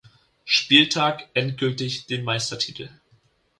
Spieltag endgültig den Meistertitel.